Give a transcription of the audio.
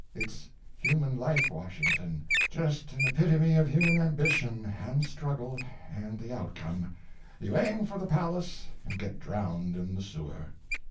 It's human life, Washington—just an epitome of human ambition, and struggle, and the outcome: you aim for the palace and get drowned in the sewer."